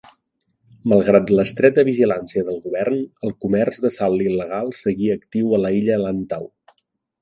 Malgrat l'estreta vigilància del govern, el comerç de sal il·legal seguia actiu a la illa Lantau.